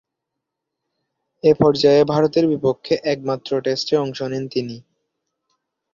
এ পর্যায়ে ভারতের বিপক্ষে একমাত্র টেস্টে অংশ নেন তিনি।